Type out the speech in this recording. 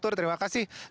terima kasih pak sur